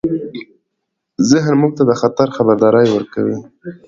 ذهن موږ ته د خطر خبرداری ورکوي.